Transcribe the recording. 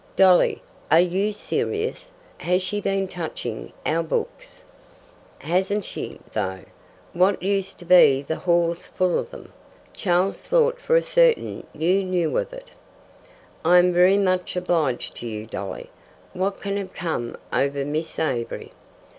"Dolly, are you serious? Has she been touching our books?" "Hasn't she, though! What used to be the hall's full of them. Charles thought for certain you knew of it." "I am very much obliged to you, Dolly. What can have come over Miss Avery?